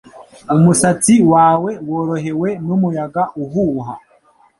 Umusatsi wawe worohewe n'umuyaga uhuha;